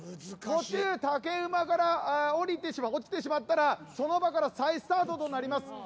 途中、竹馬から落ちてしまったらその場から再スタートとなります。